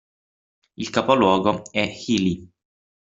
Il capoluogo è Healy.